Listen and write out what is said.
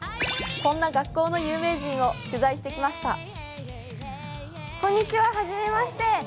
そんな学校の有名人を取材してきました。